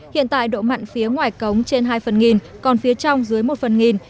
hiện tại độ mặn phía ngoài cống trên hai phần nghìn còn phía trong dưới một phần nghìn